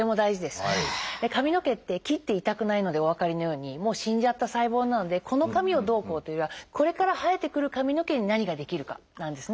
髪の毛って切って痛くないのでお分かりのようにもう死んじゃった細胞なのでこの髪をどうこうというよりはこれから生えてくる髪の毛に何ができるかなんですね。